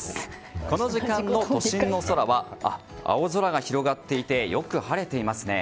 この時間の都心の空は青空が広がっていてよく晴れていますね。